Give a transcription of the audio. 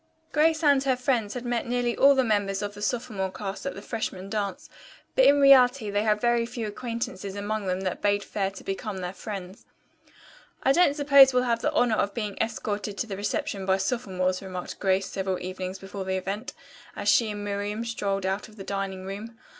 Grace and her friends had met nearly all the members of the sophomore class at the freshman dance, but in reality they had very few acquaintances among them that bade fair to become their friends. "I don't suppose we'll have the honor of being escorted to the reception by sophomores," remarked Grace several evenings before the event, as she and Miriam strolled out of the dining room.